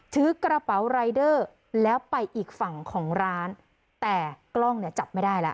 ถือกระเป๋ารายเดอร์แล้วไปอีกฝั่งของร้านแต่กล้องเนี่ยจับไม่ได้แล้ว